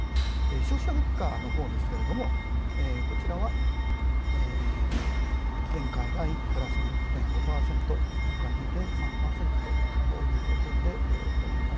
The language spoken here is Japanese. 消費者物価のほうですが、こちらは前回がプラスの１．５％今回２．３％ということであります。